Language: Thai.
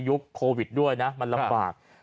โควิดด้วยนะมันลำบาก